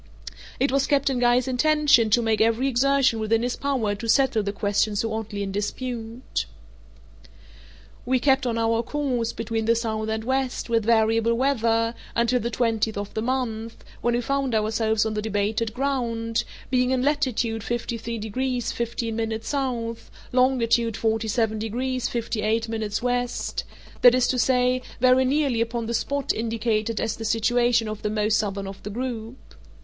It was Captain Guy's intention to make every exertion within his power to settle the question so oddly in dispute. {*3} We kept on our course, between the south and west, with variable weather, until the twentieth of the month, when we found ourselves on the debated ground, being in latitude 53 degrees 15' S., longitude 47 degrees 58' W.—that is to say, very nearly upon the spot indicated as the situation of the most southern of the group.